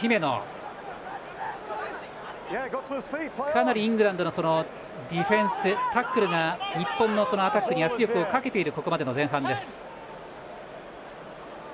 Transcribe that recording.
かなりイングランドのディフェンスタックルが、日本のアタックに圧力をかけているここまでの前半です。